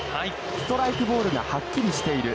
ストライク、ボールがはっきりしている。